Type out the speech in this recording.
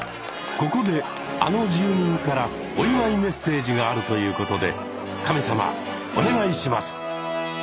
ここであの住人からお祝いメッセージがあるということで神様お願いします！